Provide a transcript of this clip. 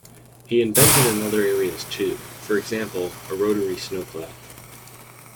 He invented in other areas too: for example, a rotary snowplow.